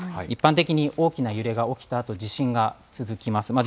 一般的に大きな揺れが起きたあと、地震が続きます。